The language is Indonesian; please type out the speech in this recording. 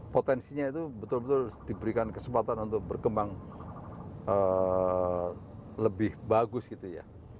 potensinya itu betul betul diberikan kesempatan untuk berkembang lebih bagus gitu ya